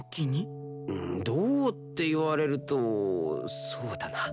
どうって言われるとそうだな。